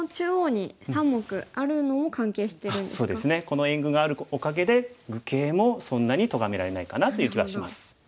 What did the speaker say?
この援軍があるおかげで愚形もそんなにとがめられないかなという気はします。